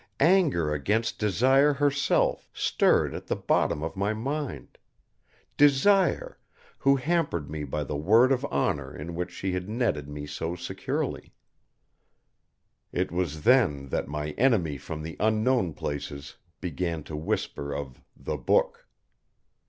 Anger against Desire herself stirred at the bottom of my mind; Desire, who hampered me by the word of honor in which she had netted me so securely. It was then that my enemy from the unknown places began to whisper of the book.